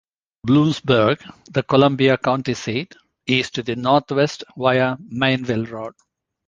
Bloomsburg, the Columbia County seat, is to the northwest via Mainville Road.